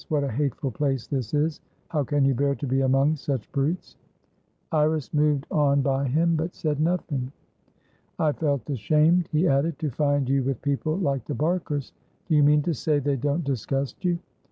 "What a hateful place this is! How can you bear to be among such brutes?" Iris moved on by him, but said nothing. "I felt ashamed," he added, "to find you with people like the Barkers. Do you mean to say they don't disgust you?"